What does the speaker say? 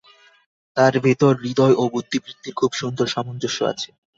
তাঁর ভেতর হৃদয় ও বুদ্ধিবৃত্তির খুব সুন্দর সামঞ্জস্য আছে।